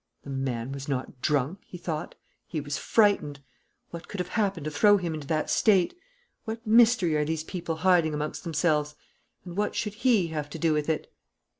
"The man was not drunk," he thought; "he was frightened. What could have happened to throw him into that state? What mystery are these people hiding amongst themselves; and what should he have to do with it?"